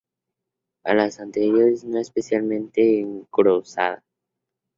Alas anteriores no especialmente engrosadas.